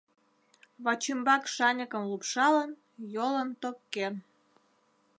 Вачӱмбак шаньыкым лупшалын, йолын топкен.